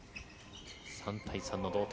３対３の同点。